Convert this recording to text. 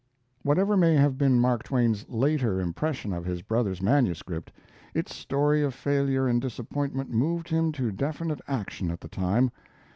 ] Whatever may have been Mark Twain's later impression of his brother's manuscript, its story of failure and disappointment moved him to definite action at the time.